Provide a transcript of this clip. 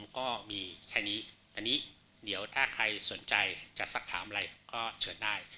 ก็มีแค่นี้อันนี้เดี๋ยวถ้าใครสนใจจะสักถามอะไรก็เชิญได้